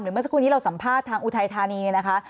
หรือเมื่อสักวันนี้เราสัมภาษณ์ทางอุทัยธานีนะคะ